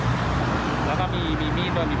คนใส่เสื้อสีแดงกลายวุฒิปรีงประมาณ๓แมม